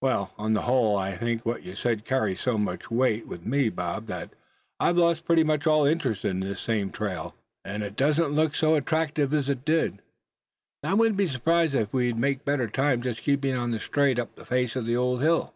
"Well, on the whole I think what you said carries so much weight with me, Bob, that I've lost pretty much all interest in this same trail. It don't look near so attractive as it did; and I wouldn't be surprised if we'd make better time just keeping on straight up the face of the old hill."